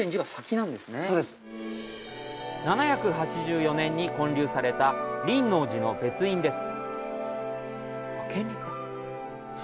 ７８４年に建立された輪王寺の別院です。